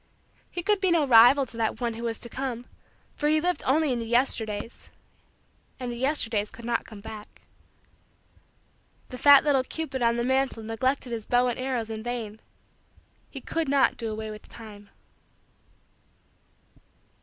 He could be no rival to that one who was to come for he lived only in the Yesterdays and the Yesterdays could not come back. The fat little cupid on the mantle neglected his bow and arrows in vain; he could not do away with time.